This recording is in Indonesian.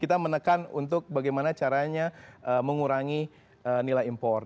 kita menekan untuk bagaimana caranya mengurangi nilai impor